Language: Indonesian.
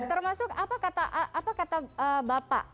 termasuk apa kata bapak